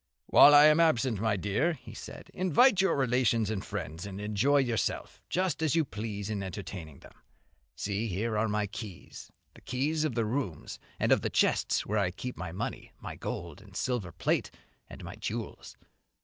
"While I am absent, my dear," said he, "invite your relations and friends and enjoy yourself just as you please in entertaining them. See here are my keys, the keys of the rooms and of the chests where I keep my money, my gold and silver plate, and my jewels.